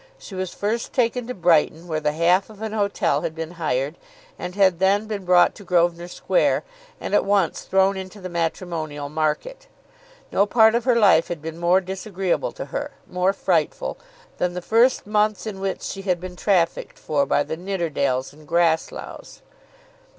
She was first taken to Brighton, where the half of an hotel had been hired, and had then been brought to Grosvenor Square, and at once thrown into the matrimonial market. No part of her life had been more disagreeable to her, more frightful, than the first months in which she had been trafficked for by the Nidderdales and Grassloughs.